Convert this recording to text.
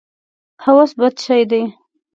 هوس بد شی دی.